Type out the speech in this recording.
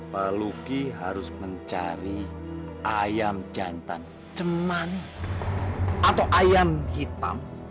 pak luki harus mencari ayam jantan ceman atau ayam hitam